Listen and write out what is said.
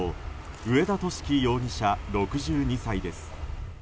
上田敏樹容疑者、６２歳です。